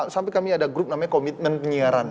sampai kami ada grup namanya komitmen penyiaran